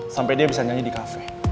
sampai dia bisa nyanyi di kafe